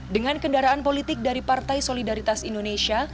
dengan kendaraan politik dari partai solidaritas indonesia